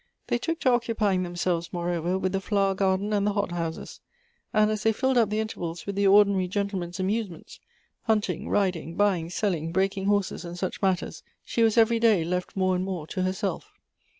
They took to occupying themselves, moreover, with the flower garden and the hot houses ; and as they filled up the intervals with the ordinary gentle men's amusements, hunting, riding, buying, selling, break ing horses, and such matters, she was every day left more and more to herself.